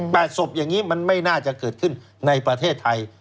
ศพอย่างนี้มันไม่น่าจะเกิดขึ้นในประเทศไทย